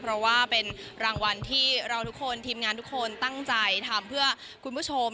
เพราะว่าเป็นรางวัลที่เราทุกคนทีมงานทุกคนตั้งใจทำเพื่อคุณผู้ชม